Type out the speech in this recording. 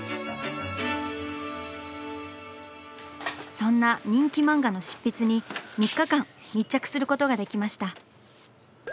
そんな人気漫画の執筆に３日間密着することができました。